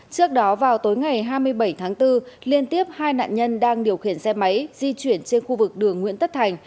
trước đó vào tối ngày hai mươi bảy tháng bốn liên tiếp hai nạn nhân đang điều khiển xe máy di chuyển trên khu vực đường nguyễn tất thành